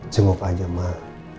jemup aja mah